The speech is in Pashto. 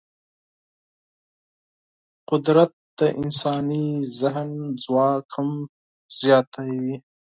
قدرت د انساني ذهن ځواک هم زیاتوي.